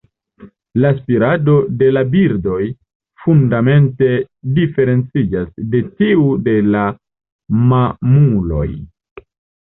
La spirado de la birdoj fundamente diferenciĝas de tiu de la mamuloj.